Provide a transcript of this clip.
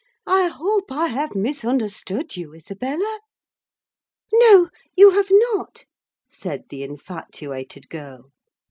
I hope I have misunderstood you, Isabella?" "No, you have not," said the infatuated girl.